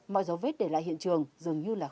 mọi dấu vết để lại hiện trường